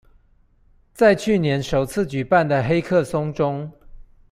在去年首次舉辦的黑客松中